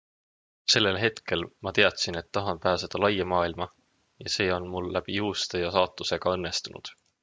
Sellel hetkel ma teadsin, et tahan pääseda laia maailma ja see on mul läbi juhuste ja saatuse ka õnnestunud.